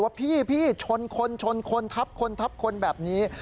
ว่าพี่พี่ชนคนชนคนทับคนแบบนี้